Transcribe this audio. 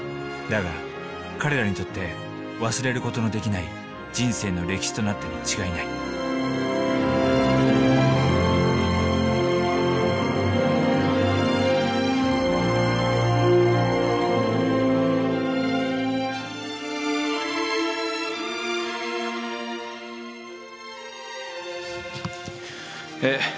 だが彼らにとって忘れる事のできない人生の歴史となったに違いないえ